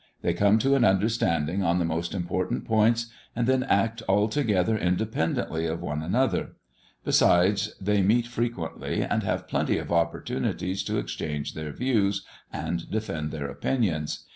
They come to an understanding on the most important points, and then act altogether independently of one another. Besides, they meet frequently, and have plenty of opportunities to exchange their views and defend their opinions.